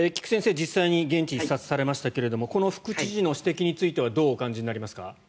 実際に現地を視察されましたがこの副知事の指摘についてはどうお感じになりますか？